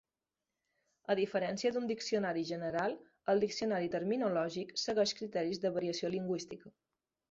A diferència d'un diccionari general, el diccionari terminològic segueix criteris de variació lingüística.